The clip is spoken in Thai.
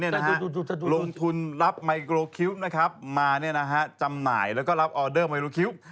ลงทุนรับไมโกรคิ้วมาจำหน่ายแล้วก็รับออเดอร์ไมรูคิ้ว